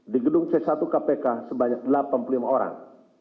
di gedung c satu kpk sebanyak delapan puluh lima orang